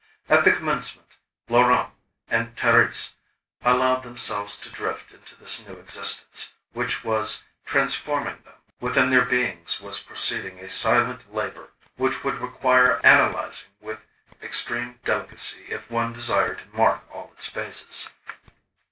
At the commencement, Laurent and Thérèse allowed themselves to drift into this new existence which was transforming them; within their beings was proceeding a silent labour which would require analysing with extreme delicacy if one desired to mark all its phases.